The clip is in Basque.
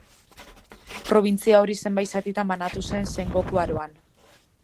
Probintzia hori zenbait zatitan banatu zen Sengoku Aroan.